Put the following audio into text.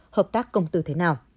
hợp tác công tư thế nào